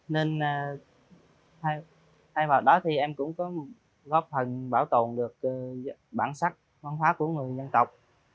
nên thay vào đó thì em cũng có góp phần bảo tồn được bản sắc văn hóa của người dân tộc